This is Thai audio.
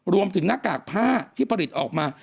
รวมถึงหน้ากากผ้าที่ผลิตออกมา